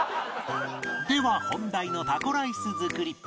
では本題のタコライス作り